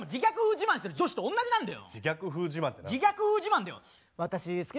自慢してる女子と同じなんだよ！